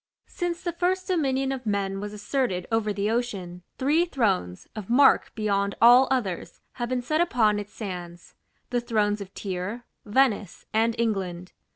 Since the first dominion of men was asserted over the ocean, three thrones, of mark beyond all others, have been set upon its sands: the thrones of Tyre, Venice, and England.